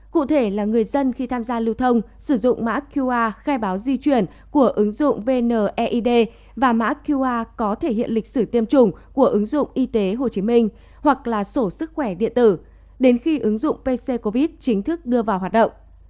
cụ thể là người dân khi tham gia lưu thông sử dụng mã qr khai báo di chuyển của ứng dụng vneid và mã qr có thể hiện lịch sử tiêm chủng của ứng dụng y tế hồ chí minh hoặc là sổ sức khỏe điện tử đến khi ứng dụng pc covid chính thức đưa vào hoạt động